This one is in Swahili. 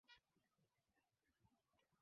Lakini ujali.